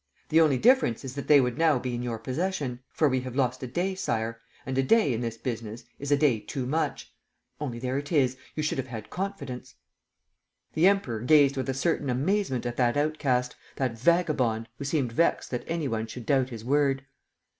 The only difference is that they would now be in your possession. For we have lost a day, Sire. And a day, in this business ... is a day too much. ... Only, there it is, you should have had confidence." The Emperor gazed with a certain amazement at that outcast, that vagabond, who seemed vexed that any one should doubt his word.